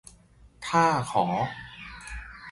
ถ้าขอ